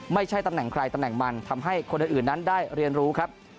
ไม่ใช่ตำแหน่งใครตำแหน่งมันทำให้คนอื่นนั้นได้เรียนรู้ครับ